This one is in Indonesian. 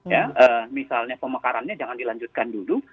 ya misalnya pemekarannya jangan dilanjutkan dulu